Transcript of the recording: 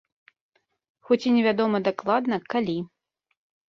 Хоць і невядома дакладна, калі.